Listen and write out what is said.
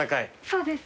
そうですね。